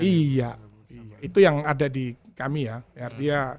iya itu yang ada di kami ya